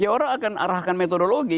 orang akan arahkan metodologi